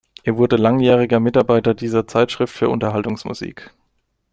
Er wurde langjähriger Mitarbeiter dieser Zeitschrift für Unterhaltungsmusik.